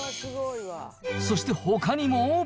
そしてほかにも。